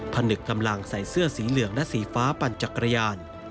ผนึกกำลังใส่เสื้อสีเหลืองและสีฟ้าปั่นจักรยาน